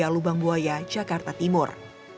enam puluh tiga lubang buaya jakarta timur